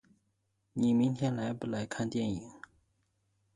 你明天来不来看电影？